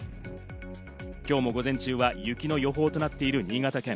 今日も午前中は雪の予報となっている新潟県。